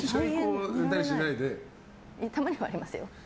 たまにはありますよ。